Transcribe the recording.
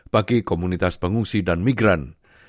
bagi komunitas pengungsi dan migran